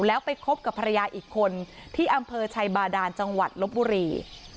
แล้วไปคบกับภรรยาอีกคนที่อำเภอชัยบาดานจังหวัดลบบุรี